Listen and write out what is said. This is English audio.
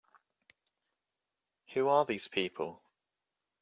Who are these people?